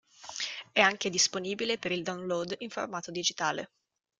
È anche disponibile per il download in formato digitale.